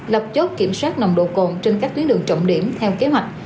lập chốt kiểm soát nồng độ cồn trên các tuyến đường trọng điểm theo kế hoạch